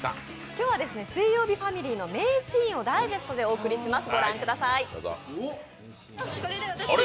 今日は水曜日ファミリーの名シーンをダイジェストでお送りします。